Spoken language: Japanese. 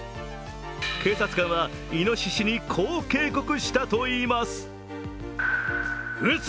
警察官はいのししにこう警告したといいます。